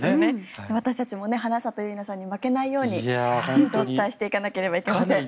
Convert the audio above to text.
私たちも花里ゆいなさんに負けないようにきちんと伝えていかなければいけません。